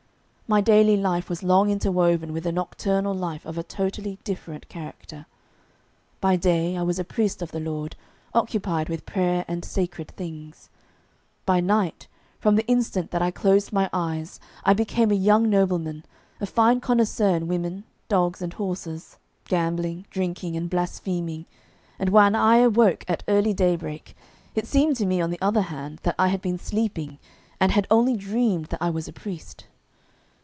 My daily life was long interwoven with a nocturnal life of a totally different character. By day I was a priest of the Lord, occupied with prayer and sacred things; by night, from the instant that I closed my eyes I became a young nobleman, a fine connoisseur in women, dogs, and horses; gambling, drinking, and blaspheming; and when I awoke at early daybreak, it seemed to me, on the other hand, that I had been sleeping, and had only dreamed that I was a priest.